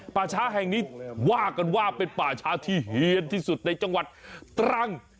ป่าช้าแห่งนี้ว่ากันว่าเป็นป่าช้าที่เฮียนที่สุดในจังหวัดตรัง